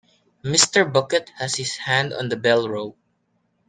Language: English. Mr. Bucket has his hand on the bell-rope.